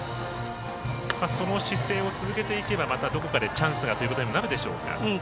その姿勢を続けていけばどこかでチャンスがということにもなるでしょうか。